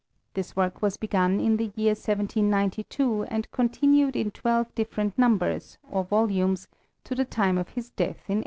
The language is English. This work was begun in the year 1792, and con tinued in twelve ditlerent numbers, or volumes, to the time of his death in 1807.'